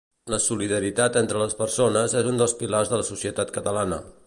La solidaritat entre les persones és un dels pilars de la societat catalana.